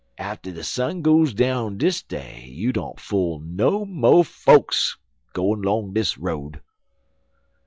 Atter de sun goes down dis day you don't fool no mo' folks gwine 'long dis road.'